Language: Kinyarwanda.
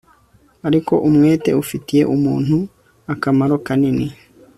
ariko umwete ufitiye umuntu akamaro kanini